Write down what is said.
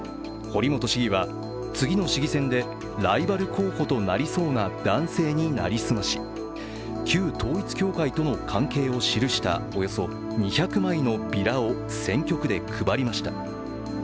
堀本市議は次の市議選でライバル候補となりそうな男性に成り済まし旧統一教会との関係を記したおよそ２００枚のビラを選挙区で配りました。